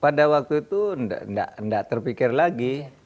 pada waktu itu tidak terpikir lagi